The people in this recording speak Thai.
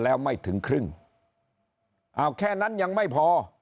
แล้วไม่ถึงครึ่งเอาแค่นั้นยังไม่พอ